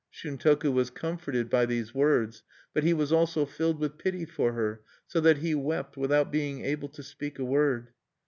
Shuntoku was comforted by these words; but he was also filled with pity for her, so that he wept, without being able to speak a word.